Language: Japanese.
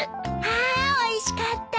あおいしかった！